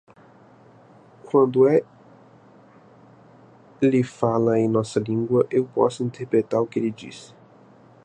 Quando ele fala em nossa língua, eu posso interpretar o que ele disse.